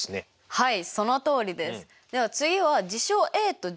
はい。